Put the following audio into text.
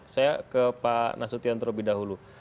saya ke pak nasution terlebih dahulu